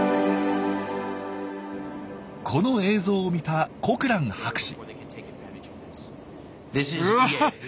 この映像を見たコクラン博士。